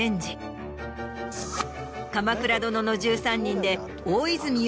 『鎌倉殿の１３人』で大泉洋